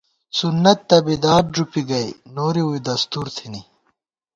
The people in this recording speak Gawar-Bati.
سنّت تہ بدعت ݫُوپی گئ، نوری ووئی دستور تھنی